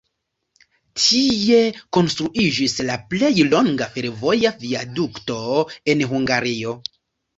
Tie konstruiĝis la plej longa fervoja viadukto en Hungario.